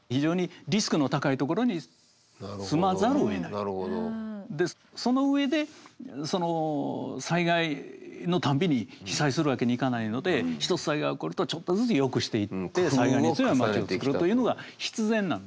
同時にじゃあ日本はそのその上で災害のたんびに被災するわけにいかないので一つ災害が起こるとちょっとずつよくしていって災害に強い町をつくるというのが必然なんですよね。